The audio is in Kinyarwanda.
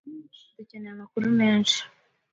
Dukeneye amakuru menshi.